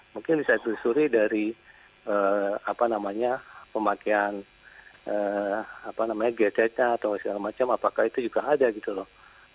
mungkin bisa ditelusuri dari apa namanya pemakaian apa namanya gaya cacah atau segala macam apakah itu juga ada gitu loh